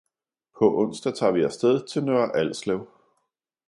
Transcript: På onsdag tager vi afsted til Nørre Alslev